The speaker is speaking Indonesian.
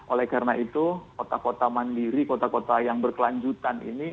oleh karena itu kota kota mandiri kota kota yang berkelanjutan ini